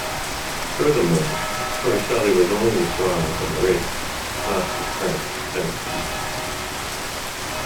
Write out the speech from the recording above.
Furthermore, Torricelli was only withdrawing from the race, not his current Senate seat.